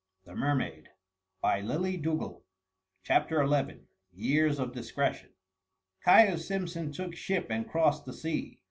The mermaid he never saw again. CHAPTER XI. YEARS OF DISCRETION. Caius Simpson took ship and crossed the sea.